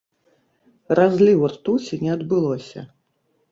Разліву ртуці не адбылося.